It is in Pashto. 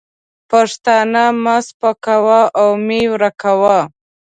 پښتانه مه سپکوه او مه یې ورکوه.